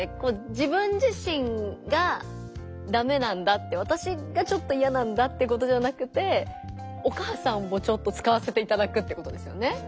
自分自身がダメなんだってわたしがちょっといやなんだってことじゃなくてお母さんもちょっと使わせていただくってことですよね。